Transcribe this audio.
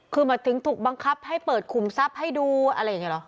คือหมายถึงถูกบังคับให้เปิดขุมทรัพย์ให้ดูอะไรอย่างนี้เหรอ